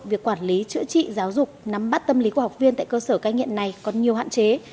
việc quản lý chữa trị giáo dục nắm bắt tâm lý của học viên tại cơ sở cai nghiện này còn nhiều hạn chế